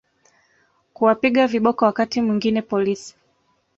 kuwapiga viboko Wakati mwingine polisi